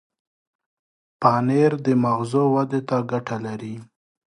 پنېر د مغزو ودې ته ګټه لري.